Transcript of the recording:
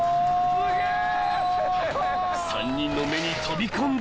すげえ！